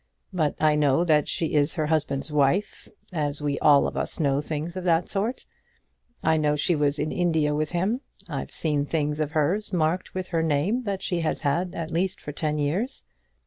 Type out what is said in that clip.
But I know that she is her husband's wife, as we all of us know things of that sort. I know she was in India with him. I've seen things of hers marked with her name that she has had at least for ten years."